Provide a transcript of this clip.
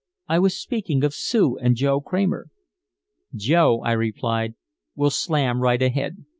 "I was speaking of Sue and Joe Kramer." "Joe," I replied, "will slam right ahead.